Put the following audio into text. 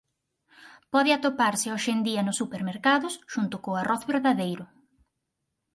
Pode atoparse hoxe en día nos supermercados xunto co arroz verdadeiro.